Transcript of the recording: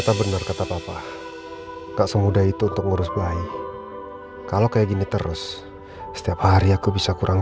tapi dengan cara tidak melakukan tindak kriminal